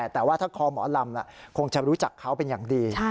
แต่ว่าถ้าคอหมอลำคงจะรู้จักเขาเป็นอย่างดี